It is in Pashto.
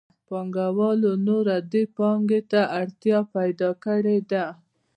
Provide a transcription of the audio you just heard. پانګوالو نوره دې پانګې ته اړتیا پیدا کړې ده